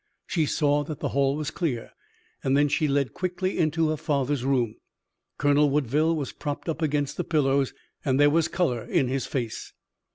She saw that the hall was clear and then she led quickly into her father's room. Colonel Woodville was propped up against the pillows, and there was color in his face.